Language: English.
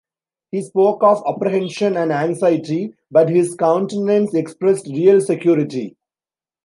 He spoke of apprehension and anxiety, but his countenance expressed real security.